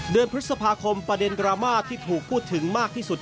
เดือนพฤษภาคมประเด็นดราม่าที่ถูกพูดถึงมากที่สุด